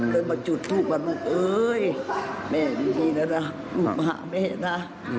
เลยมาจุดทุกวันมันว่าเอ๊ยแม่ดีทีนะนะลูกหาแม่นะ